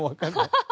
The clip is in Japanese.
ハハハ。